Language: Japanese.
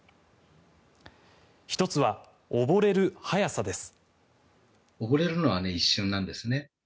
１つは溺れる早さです。